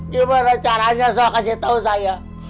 gimana caranya soh kasih tau saya